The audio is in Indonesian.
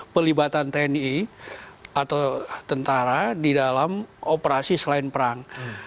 pelibatan tni atau tentara di dalam operasi selain perang